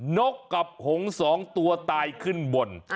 นกกับหง๒ตัวตายขึ้นบน